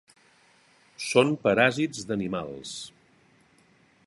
Són paràsits d'animals.